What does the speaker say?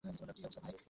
কী অবস্থা, ভাই?